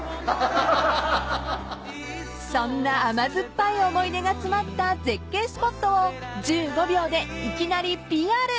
［そんな甘酸っぱい思い出が詰まった絶景スポットを１５秒で］